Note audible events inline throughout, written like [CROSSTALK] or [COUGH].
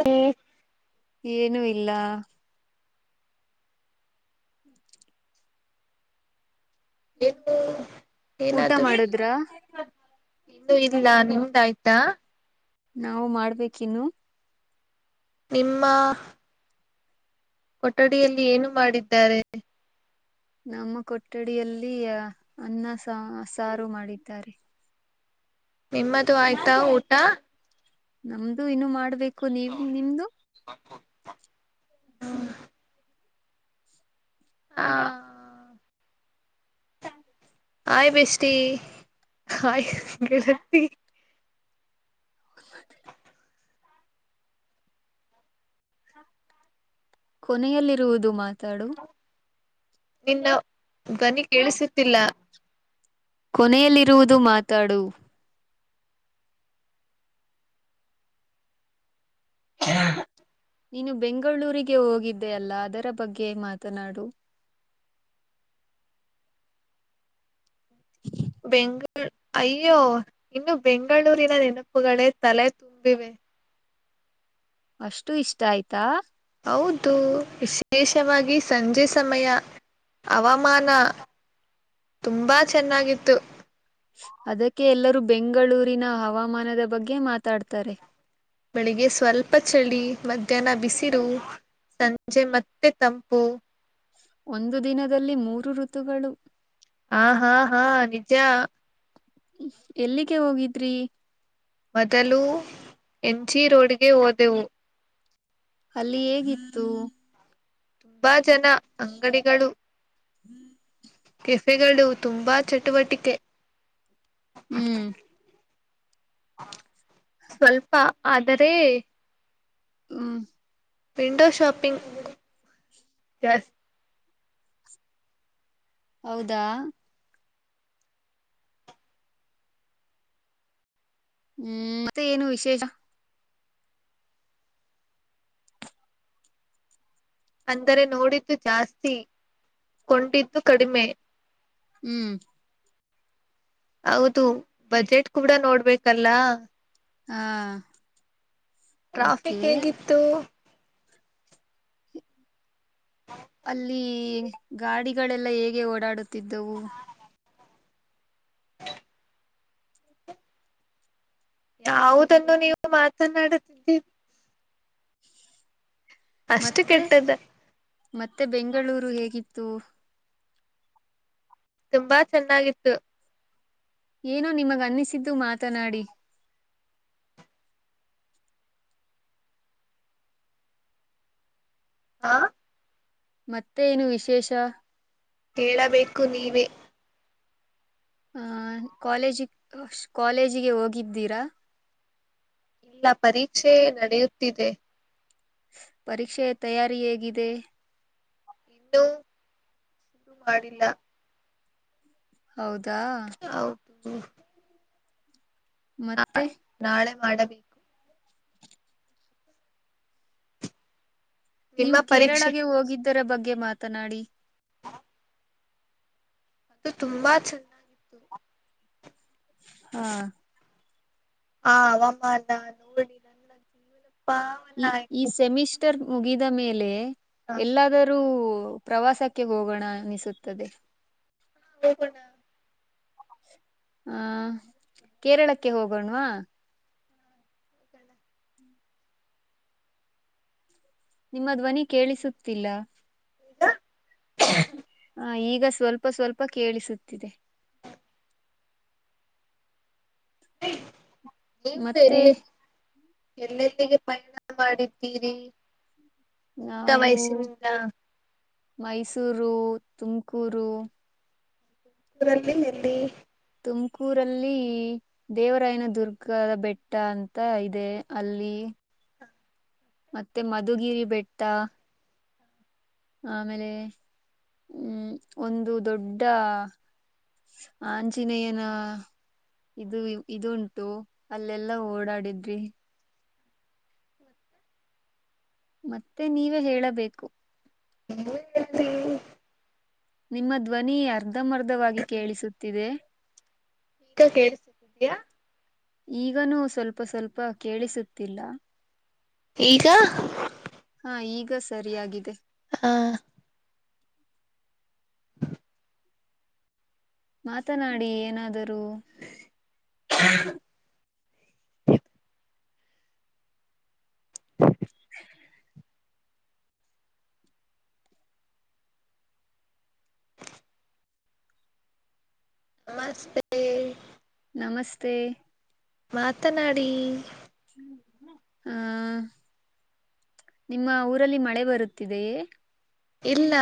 ಹ್ಮ [UNINTELLIGIBLE] ಏನುೂ ಇಲ್ಲ ಹ [UNINTELLIGIBLE] ಏನು ಊಟ ಏನದು ಮಾಡುದ್ರ ಇನ್ನು ಇಲ್ಲ ನಿಮ್ದಾಯ್ತಾ ನಾವು ಮಾಡ್ಬೇಕಿನ್ನು ನಿಮ್ಮ ಕೊಠಡಿಯಲ್ಲಿ ಏನು ಮಾಡಿದ್ದಾರೆ ನಮ್ಮ ಕೊಠಡಿಯಲ್ಲಿ ಅನ್ನ ಸಾ ಸಾರು ಮಾಡಿದ್ದಾರೆ ನಿಮ್ಮದು ಆಯ್ತಾ ಊಟ ನಮ್ದು ಇನ್ನು ಮಾಡ್ಬೇಕು ನೀವು ನಿಮ್ದು ಹ್ಮ ಹ ಹಾ [UNINTELLIGIBLE] ಆಯ್ ಬೆಷ್ಟಿ ಹಾಯಿ [UNINTELLIGIBLE] ಕೊನೆಯಲ್ಲಿರುವುದು ಮಾತಾಡು ನಿನ್ನ ಧ್ವನಿ ಕೇಳಿಸುತ್ತಿಲ್ಲ ಕೊನೆಯಲ್ಲಿರುವುದು ಮಾತಾಡು ಹಾ [UNINTELLIGIBLE] ನೀನು ಬೆಂಗಳೂರಿಗೆ ಹೋಗಿದ್ದೆ ಅಲ್ಲ ಅದರ ಬಗ್ಗೆ ಮಾತನಾಡು ಬೆಂಗ ಅಯ್ಯೋ ಇನ್ನು ಬೆಂಗಳೂರಿನ ನೆನಪುಗಳೇ ತಲೆ ತುಂಬಿವೆ ಅಷ್ಟು ಇಷ್ಟ ಆಯ್ತಾ ಹೌದು ವಿಶೇಷವಾಗಿ ಸಂಜೆ ಸಮಯ ಹವಾಮಾನ ತುಂಬಾ ಚೆನ್ನಾಗಿತ್ತು ಅದಕ್ಕೆ ಎಲ್ಲರೂ ಬೆಂಗಳೂರಿನ ಹವಾಮಾನದ ಬಗ್ಗೆ ಮಾತಾಡ್ತಾರೆ ಬೆಳಿಗ್ಗೆ ಸ್ವಲ್ಪ ಚಳಿ ಮಧ್ಯಾಹ್ನ ಬಿಸಿರು ಸಂಜೆ ಮತ್ತೆ ತಂಪು ಒಂದು ದಿನದಲ್ಲಿ ಮೂರು ಋತುಗಳು ಹಾ ಹಾ ಹಾ ನಿಜ ಎಲ್ಲಿಗೆ ಹೋಗಿದ್ರಿ. ಮೊದಲು ಮ್ ಜಿ ರೋಡ್ಗೆ ಹೋದೆವು. ಅಲ್ಲಿ ಹೇಗಿತ್ತು. ತುಂಬಾ ಜನ, ಅಂಗಡಿಗಳು. ಕೆಫೆಗಳು ತುಂಬಾ ಚಟುವಟಿಕೆ. ಹ್ಮ್. ಸ್ವಲ್ಪ ಆದರೆ. ಹ್ಮ್. Window shoppings. ಹೌದಾ. ಹ್ಮ್ ಮತ್ತೆ ಏನು ವಿಶೇಷ. ಅಂದರೆ ನೋಡಿದ್ದು ಜಾಸ್ತಿ ಕೊಂಡಿದ್ದು ಕಡಿಮೆ. ಹ್ಮ್. ಹೌದು ಬಜೆಟ್ ಕೂಡ ನೋಡ್ಬೇಕಲ್ಲ. ಹಾ. ಟ್ರಾಫಿಕ್ ಓಕೆ ಹೇಗಿತ್ತು. ಅಲ್ಲಿ ಗಾಡಿಗಳೆಲ್ಲ ಹೇಗೆ ಓಡಾಡುತ್ತಿದ್ದವು. [INAUDIBLE] ಯಾವುದನ್ನು ನೀವು ಮಾತನಾಡುತ್ತಿದ್ದೀರಿ. ಅಷ್ಟು ಮತ್ತೆ ಕೆಟ್ಟದ ಮತ್ತೆ ಬೆಂಗಳೂರು ಹೇಗಿತ್ತು. ತುಂಬಾ ಚೆನ್ನಾಗಿತ್ತು. ಏನೋ ನಿಮಗ್ ಅನ್ನಿಸಿದ್ದು ಮಾತನಾಡಿ. ಹಾ. ಮತ್ತೇನೂ ವಿಶೇಷ. ಹೇಳಬೇಕು ನೀವೇ. ಆಹ ಕಾಲೇಜಿ ಕಾಲೇಜಿಗೆ ಹೋಗಿದ್ದೀರಾ. ಇಲ್ಲ ಪರೀಕ್ಷೆ ನಡೆಯುತ್ತಿದೆ. ಪರೀಕ್ಷೆಯ ತಯಾರಿ ಹೇಗಿದೆ. ಇನ್ನು ಶುರು ಮಾಡಿಲ್ಲ. ಹೌದಾ. [INAUDIBLE] ನಾ ಮತ್ತೆ ನಾಳೆ ಮಾಡಬೇಕು. ನಿಮ್ಮ ನೀವು ಪರೀಕ್ಷೆ ಕೇರಳಗೆ ಹೋಗಿದ್ದರ ಬಗ್ಗೆ ಮಾತನಾಡಿ. ಅದು ತುಂಬಾ ಚೆನ್ನಾಗಿತ್ತು. ಹಾ. ಹ ಅವಮ್ಮ ನಾ ನೋಡಿ. [INAUDIBLE] ಈ ಈ ಆಯ್ತು ಸೆಮಿಸ್ಟರ್ ಮುಗಿದ ಮೇಲೆ ಹ ಎಲ್ಲಾದರೂ. ಪ್ರವಾಸಕ್ಕೆ ಹೋಗೋಣ ಅನಿಸುತ್ತದೆ. ಹ ಓಗೊಣ. ಹ ಕೇರಳಕ್ಕೆ ಹೋಗೋಣ್ವಾ. ಹೋಗೋಣ ನಿಮ್ಮ ಧ್ವನಿ ಕೇಳಿಸುತ್ತಿಲ್ಲ. ಈಗ ಹ ಈಗ ಸ್ವಲ್ಪ ಸ್ವಲ್ಪ ಕೇಳಿಸುತ್ತಿದೆ. ನೀವು ಮತ್ತೆ. ಎಲ್ಲಿ ಎಲ್ಲೆಲ್ಲಿಗೆ ಪಯಣ ಮಾಡಿದ್ದೀರಿ. ಚಿಕ್ಕ ನಾವು ವಯಸ್ಸಿನಿಂದ ಮೈಸೂರು. ರು ತುಮಕೂರು. ಊರಲ್ಲಿ ಎಲ್ಲಿ. ತುಮಕೂರಲ್ಲಿ ದೇವರಾಯನ ದುರ್ಗ ಬೆಟ್ಟ ಅಂತ ಇದೆ ಅಲ್ಲಿ. ಮತ್ತೆ ಮಧುಗಿರಿ ಬೆಟ್ಟ. ಆಮೇಲೆ ಹ್ಮ್ ಒಂದು ದೊಡ್ಡ. ಆಂಜಿನಯನ ಇದು ಇದುಂಟು ಅಲ್ಲೆಲ್ಲಾ ಓಡಾಡಿದ್ರಿ ಮತ್ತೆ ಮತ್ತೆ ನೀವೇ ಹೇಳಬೇಕು ಎ ನಿಮ್ಮ ಧ್ವನಿ ಅರ್ಧಮರ್ಧವಾಗಿ ಕೇಳಿಸುತ್ತಿದೆ ಈಗ ಕೇಳಿಸಿದ್ದಿದ್ಯಾಾ ಈಗನೂ ಸ್ವಲ್ಪ ಸ್ವಲ್ಪ ಕೇಳಿಸುತ್ತಿಲ್ಲ ಈಗ ಹ ಈಗ ಸರಿಯಾಗಿದೆ ಹ ಮಾತನಾಡಿ ಏನಾದರೂ ಹ ನಮಸ್ತೆ ನಮಸ್ತೆ ಮಾತನಾಡಿ ಹಾ ನಿಮ್ಮ ಊರಲ್ಲಿ ಮಳೆ ಬರುತ್ತಿದೆಯೇ ಇಲ್ಲ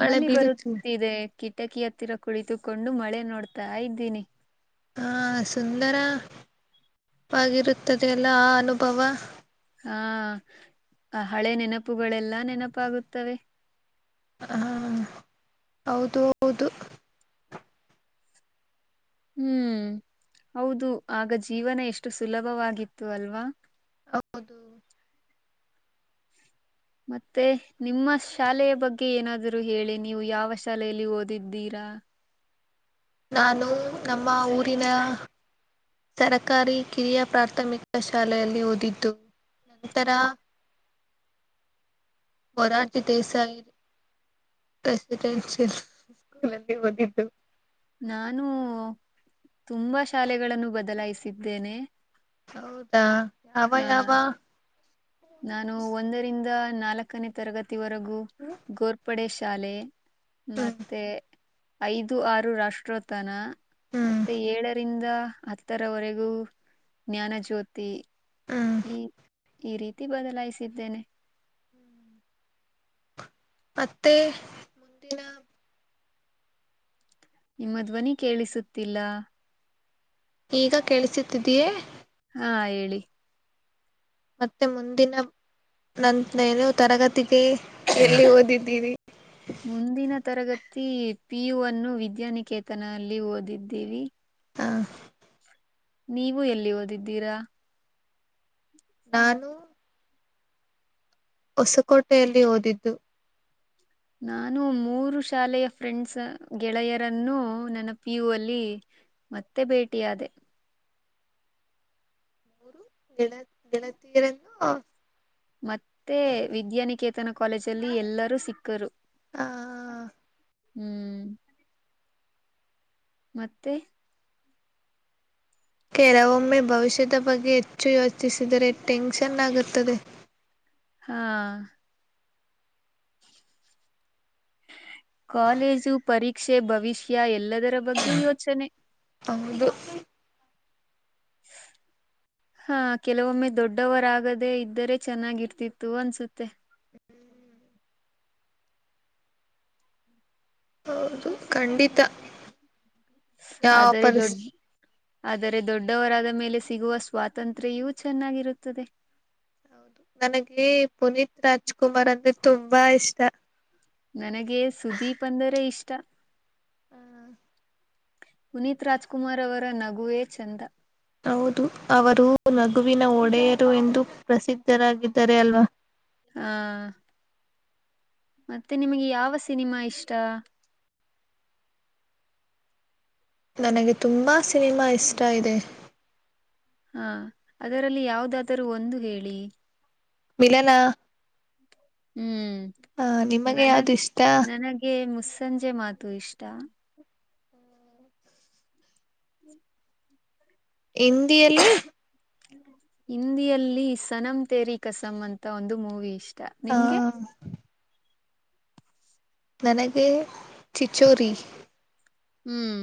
ಮಳೆ ಬೀಳುತ್ತಿಲ್ಲ ಬರುತ್ತಿದೆ ಕಿಟಕಿ ಹತ್ತಿರ ಕುಳಿತುಕೊಂಡು ಮಳೆ ನೋಡ್ತಾ ಇದ್ದೀನಿ ಆ ಸುಂದರವಾಗಿರುತ್ತದೆ ಅಲ್ಲ ಆ ಅನುಭವ ಹಾ ಹಳೆ ನೆನಪುಗಳೆಲ್ಲಾ ನೆನಪಾಗುತ್ತವೆ ಹ ಹೌದು ಹೌದು ಹ್ಮ್ ಹೌದು ಆಗ ಜೀವನ ಎಷ್ಟು ಸುಲಭವಾಗಿತ್ತು ಅಲ್ವಾ ಹೌದು ಮತ್ತೆ ನಿಮ್ಮ ಶಾಲೆಯ ಬಗ್ಗೆ ಏನಾದರೂ ಹೇಳಿ ನೀವು ಯಾವ ಶಾಲೆಯಲ್ಲಿ ಓದಿದ್ದೀರಾ ಹಾ ನಾನು ನಮ್ಮ ಊರಿನ ಸರಕಾರಿ ಕಿರಿಯ ಪ್ರಾಥಮಿಕ ಶಾಲೆಯಲ್ಲಿ ಓದಿದ್ದು ನಂತರ [INAUDIBLE] ವರಾಟಿ ದಸಾಯಸ ಸ್ಕೂಲ್ ಅಲ್ಲಿ ಓದಿದ್ದು ನಾನು ತುಂಬಾ ಶಾಲೆಗಳನ್ನು ಬದಲಾಯಿಸಿದ್ದೇನೆ ಹೌದಾ ಯಾವ ಆ ಯಾವ ನಾನು ಒಂದರಿಂದ ನಾಲ್ಕನೇ ತರಗತಿವರೆಗೂ ಹ್ಮ್ ಗೋರ್ಪಡೆ ಶಾಲೆ ಮತ್ತೆ ಐದು ಆರು ರಾಷ್ಟ್ರೋತ್ತನ ಹ್ಮ್ ಮತ್ತೆ ಏಳರಿಂದ ಹತ್ತರವರೆಗೂ ಜ್ಞಾನ ಜ್ಯೋತಿ ಹ್ಮ್ ಈ ಈ ರೀತಿ ಬದಲಾಯಿಸಿದ್ದೇನೆ ಮತ್ತೆ ಮುಂದಿನ ನಿಮ್ಮ ಧ್ವನಿ ಕೇಳಿಸುತ್ತಿಲ್ಲ ಈಗ ಕೇಳಿಸುತ್ತಿದಿಯೇ ಹಾ ಹೇಳಿ ಮತ್ತೆ ಮುಂದಿನ ನಂತೇನು ತರಗತಿಗೆ ಎಲ್ಲಿ ಓದಿದ್ದೀರಿ ಮುಂದಿನ ತರಗತಿ ಪ ಯು ಅನ್ನು ವಿದ್ಯಾನಿಕೇತನಲ್ಲಿ ಓದಿದ್ದೀವಿ ಹ ನೀವು ಎಲ್ಲಿ ಓದಿದ್ದೀರಾ ನಾನು ಹೊಸಕೋಟೆಯಲ್ಲಿ ಓದಿದ್ದು ನಾನು ಮೂರು ಶಾಲೆಯ ಫ್ರೆಂಡ್ಸ್ ಗೆಳೆಯರನ್ನು ನನ್ನ ಪಿ ಯು ಅಲ್ಲಿ ಮತ್ತೆ ಭೇಟಿ ಆದೆ. [INAUDIBLE] [UNINTELLIGIBLE] ಮತ್ತೆ ವಿದ್ಯಾನಿಕೇತನ ಕಾಲೇಜಲ್ಲಿ ಎಲ್ಲರೂ ಸಿಕ್ಕರು. ಆ ಹ್ಮ್ ಮತ್ತೆ ಕೆಲವೊಮ್ಮೆ ಭವಿಷ್ಯದ ಬಗ್ಗೆ ಹೆಚ್ಚು ಯೋಚಿಸಿದರೆ ಟೆನ್ಶನ್ ಆಗುತ್ತದೆ. ಹಾ ಕಾಲೇಜು ಪರೀಕ್ಷೆ ಭವಿಷ್ಯ ಎಲ್ಲದರ ಬಗ್ಗೆ ಯೋಚನೆ. ಹೌದು. [INAUDIBLE] ಹಾ ಕೆಲವೊಮ್ಮೆ ದೊಡ್ಡವರಾಗದೆೇ ಇದ್ದರೆ ಚೆನ್ನಾಗಿರ್ತಿತ್ತು ಅನ್ಸುತ್ತೆ. ಹೌದು ಖಂಡಿತ. ಯಾವ ಆದರೆ ಪರಿಸ್ ದೊಡ್ಡ. ಆದರೆ ದೊಡ್ಡವರಾದ ಮೇಲೆ ಸಿಗುವ ಸ್ವಾತಂತ್ರ್ಯೆಯೂ ಚೆನ್ನಾಗಿರುತ್ತದೆ. ಹೌದು ನನಗೆ ಪುನೀತ್ ರಾಜ್ಕುಮಾರ್ ಅಂದ್ರೆ ತುಂಬಾ ಇಷ್ಟ. ನನಗೆ ಸುದೀಪ್ ಅಂದರೆ ಇಷ್ಟ. ಹ್ಮ [INAUDIBLE] ಪುನೀತ್ ರಾಜ್ಕುಮಾರ್ ಅವರ ನಗುವೇ ಚಂದ. ಹೌದು ಅವರು ನಗುವಿನ ಒಡೆಯರು ಎಂದು ಪ್ರಸಿದ್ಧರಾಗಿದ್ದಾರೆ ಅಲ್ವಾ. ಹಾ ಮತ್ತೆ ನಿಮ್ಗೆ ಯಾವ ಸಿನಿಮಾ ಇಷ್ಟ. ನನಗೆ ತುಂಬಾ ಸಿನಿಮಾ ಇಷ್ಟ ಇದೆ. ಹಾ ಅದರಲ್ಲಿ ಯಾವುದಾದರೂ ಒಂದು ಹೇಳಿ. ಮಿಲನ. ಹ್ಮ್ ಆ ನಿಮಗೆ ಯಾವ್ದು ನನಗ್ ಇಷ್ಟ ನನಗೆ ಮುಸ. ಸಂಜೆ ಮಾತು ಇಷ್ಟ. ಹಿಂದಿಯಲ್ಲಿ. ಹಿಂದಿಯಲ್ಲಿ ಸನಂ ತೇರಿ ಕಸಂ ಅಂತ ಒಂದು ಮೂವಿ ಇಷ್ಟ. ಆ ನಿಮ್ಗೆ ನನಗೆ ಚಿಚೋರಿ. ಹ್ಮ್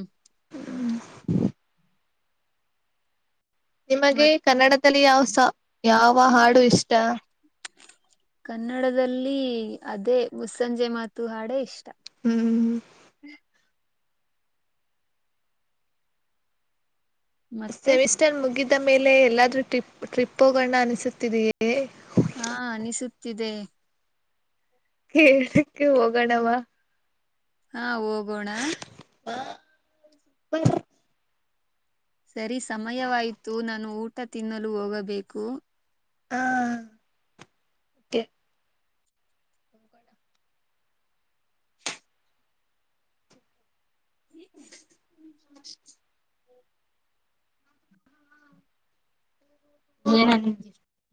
ಹ್ಮ [INAUDIBLE] ನಿಮಗೆ ಮತ್ ಕನ್ನಡದಲ್ಲಿ ಯಾವ ಯಾವ. ಕನ್ನಡದಲ್ಲಿ ಅದೇ ಮುಸ್ಸಂಜೆ ಮಾತು ಹಾಡ ಇಷ್ಟು. ಹ್ಮ್ ಮತ್ತೆ ಸೆಮಿಸ್ಟರ್ ಮುಗಿದ ಮೇಲೆ ಎಲ್ಲಾದ್ರೂ ಟ್ರಿಪ್ ಟ್ರಿಪ್ಪೋಗಳನ್ನ ಅನಿಸುತ್ತಿದೆಯೇ. ಹಾ ಅನಿಸುತ್ತಿದೆ. ಕೇಳ್ಲಿಕ್ಕೆ ಹೋಗೋಣವಾ. ಹಾ ಹೋಗೋಣ ಹಾ [INAUDIBLE] ಸರಿ ಸಮಯವಾಯತು ನಾನು ಊಟ ತಿನ್ನಲು ಹೋಗಬೇಕು. ಹಾ. [INAUDIBLE] [INAUDIBLE]